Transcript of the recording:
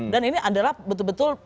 dan ini adalah betul betul